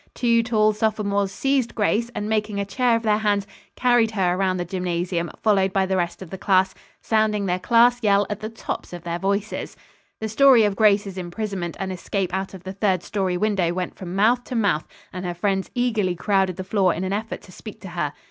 Two tall sophomores seized Grace and making a chair of their hands, carried her around the gymnasium, followed by the rest of the class, sounding their class yell at the tops of their voices. The story of Grace's imprisonment and escape out of the third story window went from mouth to mouth, and her friends eagerly crowded the floor in an effort to speak to her.